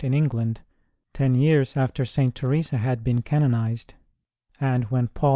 in England, ten years after St. Teresa had been canonized, and when Paul V.